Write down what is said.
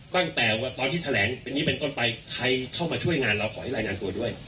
ตั้งแต่ตอนที่แถลงเป็นนี้เป็นต้นไปใครเข้ามาช่วยงานเราขอให้รายงานตัวด้วย